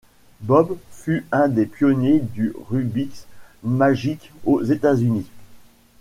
Bob fut un des pionniers du Rubik's Magic aux États-Unis.